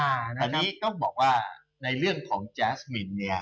อันนี้ต้องบอกว่าในเรื่องของแจ๊สมินเนี่ย